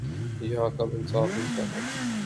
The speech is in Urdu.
یہاں کب انصاف ملتا ہے